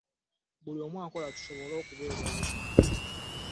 Buli omu akola tusobole okubeera obumu .